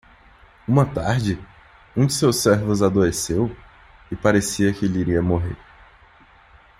Uma tarde? um de seus servos adoeceu? e parecia que ele iria morrer.